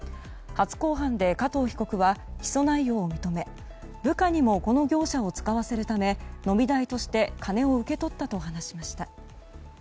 初公判で加藤被告は起訴内容を認め部下にもこの業者を使わせるため飲み代として金を受け取ったと話しました。